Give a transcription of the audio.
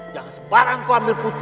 jangan sampai aku mengambil putri